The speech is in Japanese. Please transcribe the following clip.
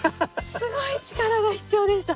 すごい力が必要でした！